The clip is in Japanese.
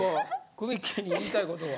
くみっきーに言いたいこと。